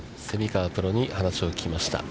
蝉川プロに話を聞きました。